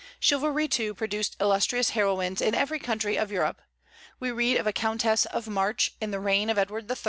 Chivalry, too, produced illustrious heroines in every country of Europe. We read of a Countess of March, in the reign of Edward III.